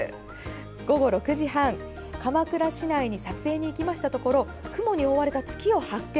午後６時半、鎌倉市内に撮影に行きましたところ雲に覆われた月を発見。